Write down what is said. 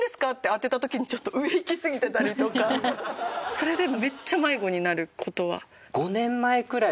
それでめっちゃ迷子になる事は。